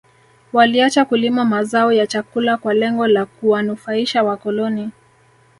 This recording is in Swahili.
Waliacha kulima mazao ya chakula kwa lengo la kuwanufaisha wakoloni